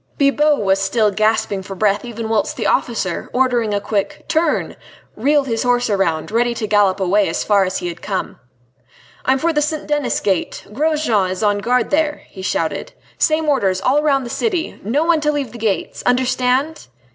Bibot was still gasping for breath even whilst the officer, ordering a quick "Turn!" reeled his horse round, ready to gallop away as far as he had come. "I am for the St. Denis Gate Grosjean is on guard there!" he shouted. "Same orders all round the city. No one to leave the gates!... Understand?"